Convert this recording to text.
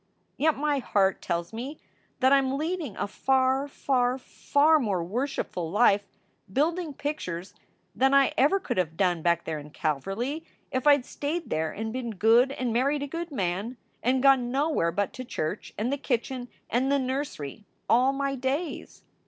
Yet my heart tells me that I m leading a far, far, far more worshipful life building pictures than I ever could have done back there in Calverly, if I d stayed there and been good and married a good man and gone nowhere but to church and the kitchen and the nursery all my days.